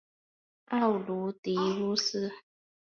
奥卢狄乌斯。